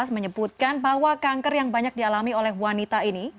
menyebutkan bahwa kanker yang banyak dialami oleh wanita ini